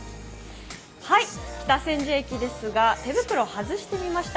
北千住駅ですが、手袋を外してみました。